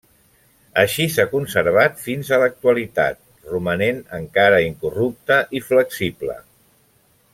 Així s'ha conservat fins a l'actualitat, romanent encara incorrupte i flexible.